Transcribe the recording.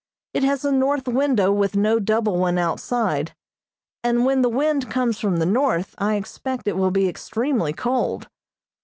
It has a north window with no double one outside, and when the wind comes from the north I expect it will be extremely cold.